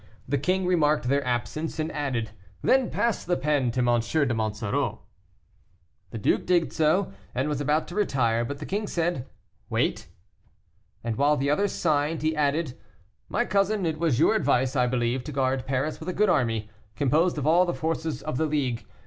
The king remarked their absence, and added, "Then pass the pen to M. de Monsoreau." The duke did so, and was about to retire, but the king said, "Wait." And while the others signed, he added, "My cousin, it was your advice, I believe, to guard Paris with a good army, composed of all the forces of the League.